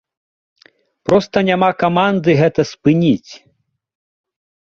Проста няма каманды гэта спыніць.